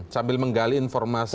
sambil menggali informasi tentang